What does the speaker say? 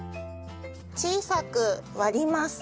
小さく割ります。